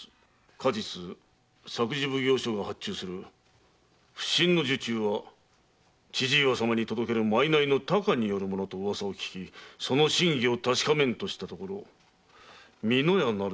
「過日作事奉行所が発注する普請の受注は千々岩様に届ける賂の多寡によるものとの噂を聞きその真偽を確かめんとしたところ美濃屋なる商人が。